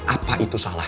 apa itu salah